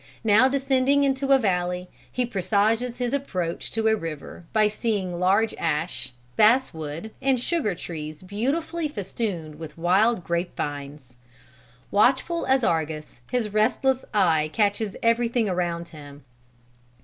Now descending into a valley, he presages his approach to a river by seeing large ash, basswood and sugar trees beautifully festooned with wild grape vines. Watchful as Argus, his restless eye catches everything around him.